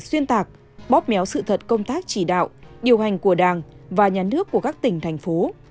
xuyên tạc bóp méo sự thật công tác chỉ đạo điều hành của đảng và nhà nước của các tỉnh thành phố